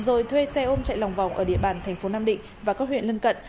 rồi thuê xe ôm chạy lòng vòng ở địa bàn tp nam định và các huyện lân cận